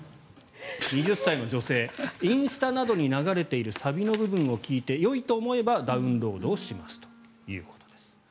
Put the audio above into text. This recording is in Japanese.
２０歳の女性インスタなどに流れているサビの部分を聞いてよいと思えばダウンロードしますということです。